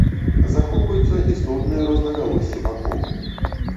Захоўваюцца істотныя рознагалоссі бакоў.